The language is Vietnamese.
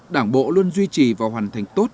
đảng bộ luôn duy trì và hoàn thành tốt